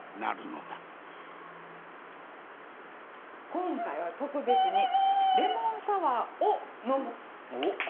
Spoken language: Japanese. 今回は特別にレモンサワー「を」呑む。